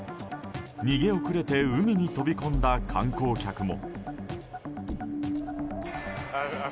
逃げ遅れて海に飛び込んだ観光客も。